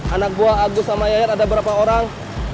anak buah agus sama yayat ada berapa orang